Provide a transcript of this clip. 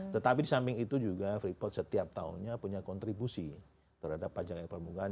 tetapi di samping itu juga freeport setiap tahunnya punya kontribusi terhadap pajak air permukaan